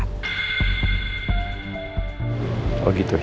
kalau gitu ya